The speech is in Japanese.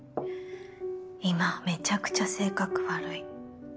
今めちゃくちゃ性格悪い。